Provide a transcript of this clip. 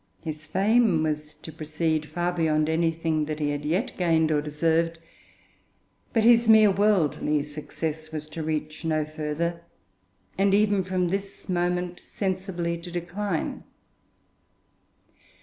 His fame was to proceed far beyond anything that he had yet gained or deserved, but his mere worldly success was to reach no further, and even from this moment sensibly to decline.